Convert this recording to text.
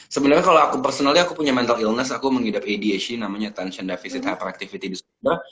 sebenarnya kalau aku persenalnya aku punya mental illness aku mengidap adhd namanya tension deficit hyperactivity disorder